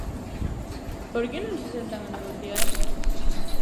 ¿Por que non se sentan a negociar?